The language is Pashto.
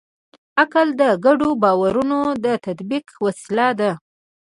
عقل د ګډو باورونو د تطبیق وسیله ده.